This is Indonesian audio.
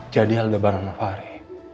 jadi aldebaran fahri